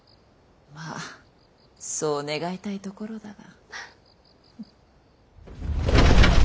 まあそう願いたいところだが。